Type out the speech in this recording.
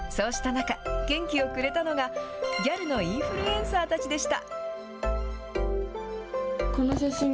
そうした中、元気をくれたのが、ギャルのインフルエンサーたちでした。